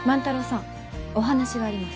お話があります。